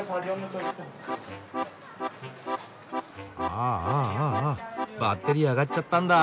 ああああバッテリー上がっちゃったんだ。